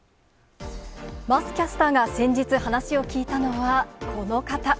桝キャスターが先日、話を聞いたのは、この方。